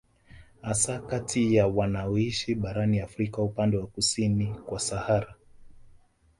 Hasa kati ya wanaoishi barani Afrika upande wa kusini kwa Sahara